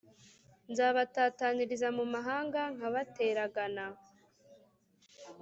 nzabatataniriza mu mahanga nkabateragana